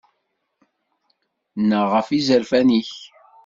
Nnaɣ ɣef yizerfan-ik.